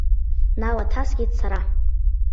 Налаҭаскит сара.